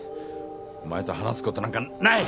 お前と話すことなんかない！